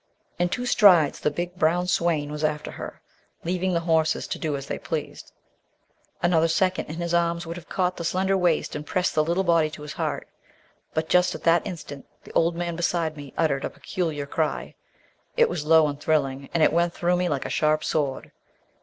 In two strides the big, brown swain was after her, leaving the horses to do as they pleased. Another second and his arms would have caught the slender waist and pressed the little body to his heart. But, just at that instant, the old man beside me uttered a peculiar cry. It was low and thrilling, and it went through me like a sharp sword.